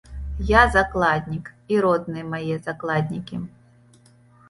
Я закладнік, і родныя мае закладнікі.